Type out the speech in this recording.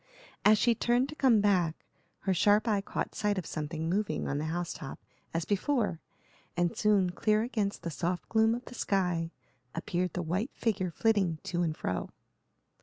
As she turned to come back, her sharp eye caught sight of something moving on the house top as before, and soon, clear against the soft gloom of the sky, appeared the white figure flitting to and fro.